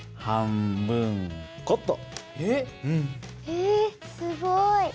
えすごい！